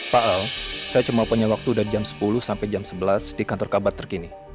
pak al saya cuma punya waktu dari jam sepuluh sampai jam sebelas di kantor kabar terkini